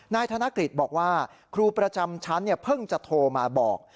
นายกฤษบอกว่าครูประจำชั้นเพิ่งจะโทรมาบอก